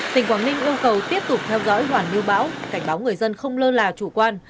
tỉnh quảng ninh yêu cầu tiếp tục theo dõi hoàn lưu bão cảnh báo người dân không lơ là chủ quan